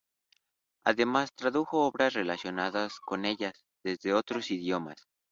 Además, tradujo obras relacionadas con ella desde otros idiomas.